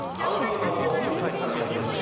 碧山も初日から４連勝